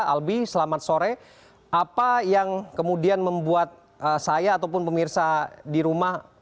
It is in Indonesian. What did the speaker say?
albi selamat sore apa yang kemudian membuat saya ataupun pemirsa di rumah